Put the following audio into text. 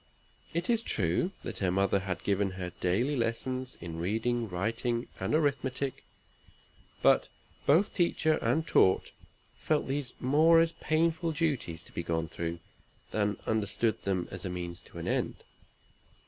It is true her mother had given her daily lessons in reading, writing, and arithmetic; but both teacher and taught felt these more as painful duties to be gone through, than understood them as means to an end.